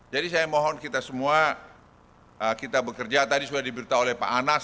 jadi saya mohon kita semua kita bekerja tadi sudah diberitahu oleh pak anas